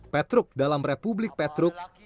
petruk dalam republik petruk